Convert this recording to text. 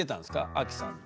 アキさんの。